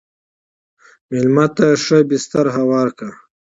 مېلمه ته ښه بستر هوار کړه.